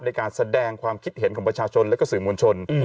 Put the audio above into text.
ในการแสดงความคิดเห็นของประชาชนและก็สื่อมวลชน